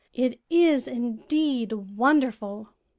It is indeed wonderful."